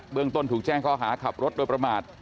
เบื้องต้นถูกแจ้งเค้าค้าง่าหาขับรถโดยประมาท